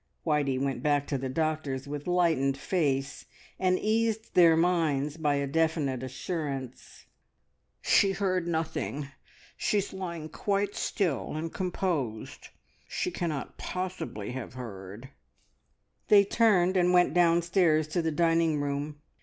Whitey went back to the doctors with lightened face, and eased their minds by a definite assurance. "She heard nothing. She is lying quite still and composed. She cannot possibly have heard." They turned and went downstairs to the dining room.